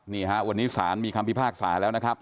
นี่ฮะวันนี้ศาลมีคำพิพากษาแล้วนะครับ